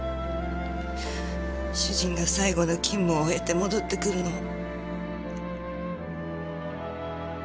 主人が最後の勤務を終えて戻ってくるのを。